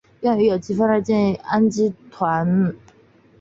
用于往有机分子中引入叠氮基团。